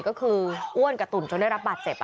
ก็คืออ้วนกับตุ๋นจนได้รับบาดเจ็บ